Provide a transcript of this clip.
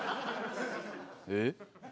えっ？